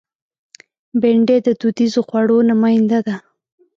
بېنډۍ د دودیزو خوړو نماینده ده